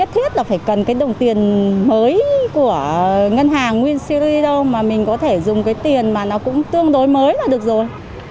thiết là phải cần cái đồng tiền mới của ngân hàng win cyri đâu mà mình có thể dùng cái tiền mà nó cũng tương đối mới là được rồi